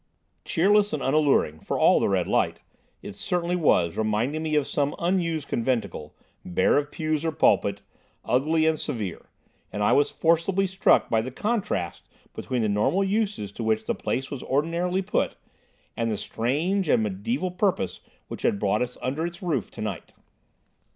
Cheerless and unalluring, for all the red light, it certainly was, reminding me of some unused conventicle, bare of pews or pulpit, ugly and severe, and I was forcibly struck by the contrast between the normal uses to which the place was ordinarily put, and the strange and medieval purpose which had brought us under its roof tonight.